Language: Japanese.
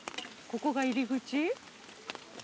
ここが入り口。